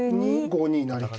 ５二成桂。